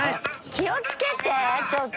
気をつけてちょっと。